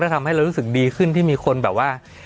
ทำให้เรารู้สึกดีขึ้นที่มีคนแบบว่า